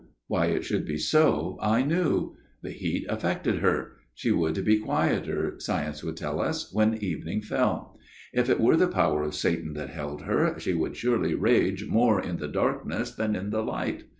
Why it should be so, I knew. The heat affected her. She would be quieter, science would tell us, when evening fell. If it were the power of Satan that held her, she would surely rage more in the darkness than in the light.